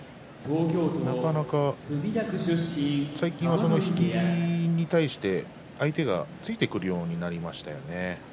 最近は引きに対して、相手がついてくるようになりました。